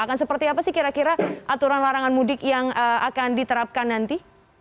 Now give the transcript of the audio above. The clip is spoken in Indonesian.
akan seperti apa sih kira kira aturan larangan mudik yang akan diterapkan nanti